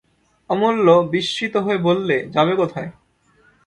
অমূল্য বিস্মিত হয়ে বললে, যাবে কোথায়?